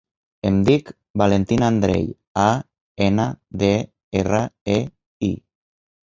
Em dic Valentina Andrei: a, ena, de, erra, e, i.